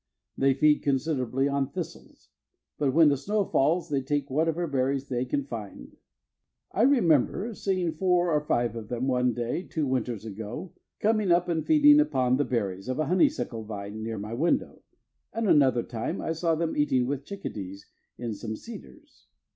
They feed considerably on thistles, but when the snow falls they take whatever berries they can find. I remember seeing four or five of them, one day two winters ago, coming up and feeding upon the berries of a honeysuckle vine near my window, and at another time I saw them eating with chicadees in some cedars.